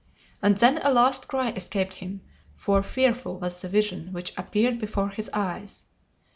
And then a last cry escaped him, for fearful was the vision which appeared before his eyes!